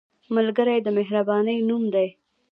ملګری د مهربانۍ نوم دی